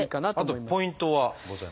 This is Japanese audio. あとポイントはございますか？